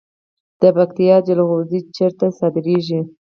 د پکتیا جلغوزي چیرته صادریږي؟